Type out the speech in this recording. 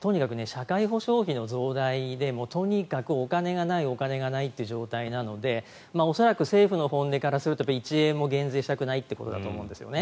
社会保障費の増大でとにかくお金がない状態なので恐らく政府の本音からすると１円も減税したくないということだと思うんです。